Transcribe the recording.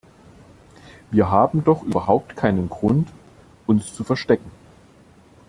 Wir haben doch überhaupt keinen Grund, uns zu verstecken.